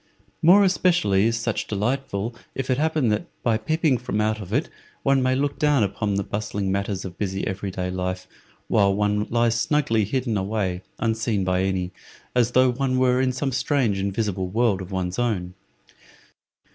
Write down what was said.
More especially is such delightful if it happen that, by peeping from out it, one may look down upon the bustling matters of busy every day life, while one lies snugly hidden away unseen by any, as though one were in some strange invisible world of one's own.